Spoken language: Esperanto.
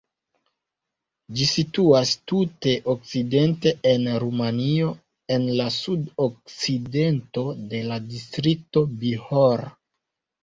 Ĝi situas tute okcidente en Rumanio, en la sud-okcidento de la distrikto Bihor.